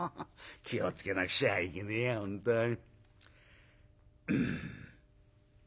気を付けなくちゃいけねえや本当に」。